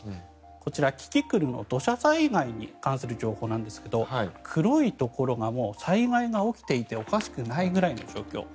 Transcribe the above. こちら、キキクルの土砂災害に関する情報なんですが黒いところが災害が起きていておかしくないぐらいの状況。